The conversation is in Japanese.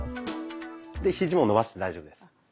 でヒジも伸ばして大丈夫です。